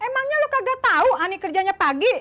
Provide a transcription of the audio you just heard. emangnya lo kagak tau ani kerjanya pagi